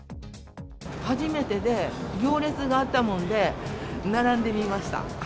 初めてで行列があったもんで並んでみました。